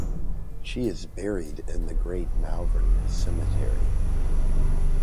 She is buried in Great Malvern cemetery.